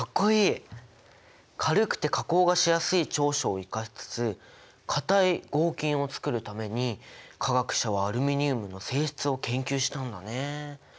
軽くて加工がしやすい長所を生かしつつ硬い合金をつくるために化学者はアルミニウムの性質を研究したんだね。